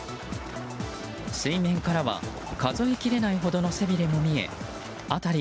水面からは数えきれないほどの背びれも見え辺り